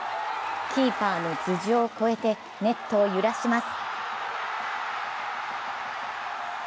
キーパーの頭上を越えてネットを揺らします。